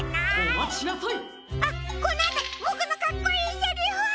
あっこのあと！ボクのかっこいいセリフ！